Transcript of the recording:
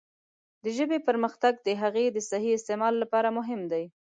د ژبې پرمختګ د هغې د صحیح استعمال لپاره مهم دی.